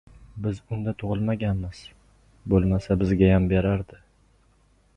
— Biz unda tug‘ilmaganmiz, bo‘lmasa, bizgayam berardi!